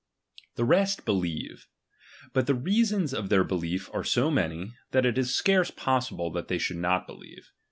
The rest believe ; but the rea sons of their belief are so many, that it is scarce possible they should not believe.